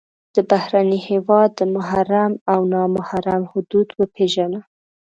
د بهرني هېواد د محرم او نا محرم حدود وپېژنه.